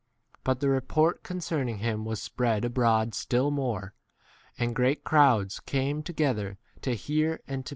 But the report concerning him was spread abroad still more, and great crowds came together to hear and to be healed i Luke.